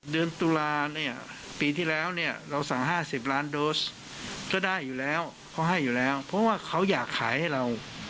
เดือนตุลาเนี่ยปีที่แล้วเนี่ยเราสั่ง๕๐ล้านโดสก็ได้อยู่แล้วเขาให้อยู่แล้วเพราะว่าเขาอยากขายให้เรา